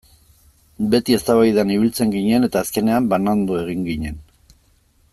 Beti eztabaidan ibiltzen ginen eta azkenean banandu egin ginen.